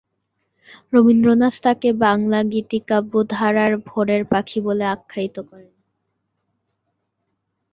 রবীন্দ্রনাথ তাকে বাঙলা গীতি কাব্য-ধারার 'ভোরের পাখি' বলে আখ্যায়িত করেন।